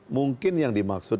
mungkin yang dimaksud